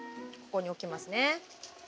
ここに置きますね。